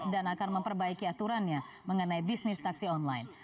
dan akan memperbaiki aturannya mengenai bisnis taksi online